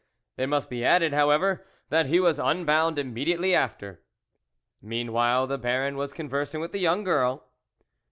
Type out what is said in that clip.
It must be added, however, that he was unbound immediately after. Meanwhile the Baron was conversing with the young girl.